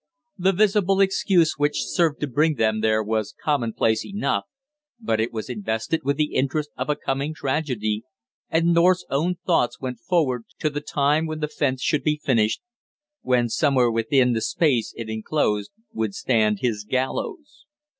The visible excuse which served to bring them there was commonplace enough, but it was invested with the interest of a coming tragedy, and North's own thoughts went forward to the time when the fence should be finished, when somewhere within the space it inclosed would stand his gallows.